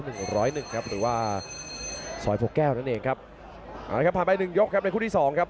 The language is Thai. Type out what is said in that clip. หรือว่าสอยพกแก้วนั้นเองครับ